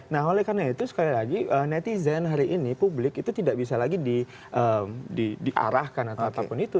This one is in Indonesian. nah oleh karena itu sekali lagi netizen hari ini publik itu tidak bisa lagi diarahkan atau apapun itu